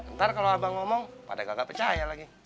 ntar kalau abang ngomong pada gak kecaya lagi